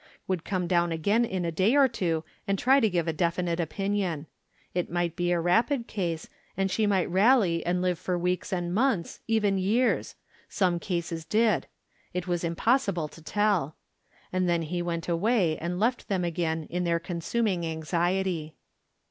Would come down agaua in a day or two and try to give a definite opinion. It might be a rapid case, and she might rally and live for weeks and months, even years ; some cases did ; it was impossible to tell. And then he went away and left them again in their consuming anxiety.